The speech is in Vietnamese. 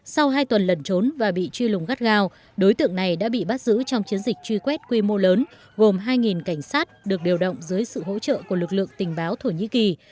sau hai tuần lẩn trốn và bị truy lùng gắt gao đối tượng này đã bị bắt giữ trong chiến dịch truy quét quy mô lớn gồm hai cảnh sát được điều động dưới sự hỗ trợ của lực lượng tình báo thổ nhĩ kỳ